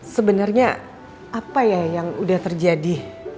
sebenarnya apa ya yang udah terjadi